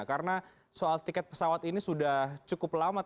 karena soal tiket pesawat ini sudah cukup lama tampaknya dan sampai dengan saat ini